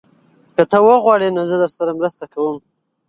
که ته وغواړې نو زه درسره مرسته کوم.